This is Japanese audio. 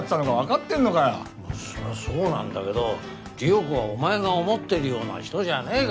まあそりゃそうなんだけど理代子はお前が思ってるような人じゃねえから。